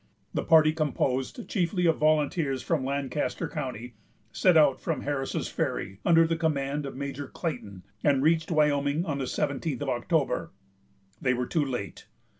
The party, composed chiefly of volunteers from Lancaster County, set out from Harris's Ferry, under the command of Major Clayton, and reached Wyoming on the seventeenth of October. They were too late.